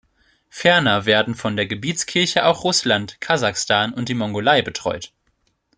Ferner werden von der Gebietskirche auch Russland, Kasachstan und die Mongolei betreut.